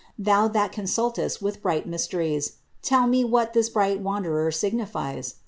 Thou that consultcmt with bright mysteries, TvII ine what tliis bright wanderer signities?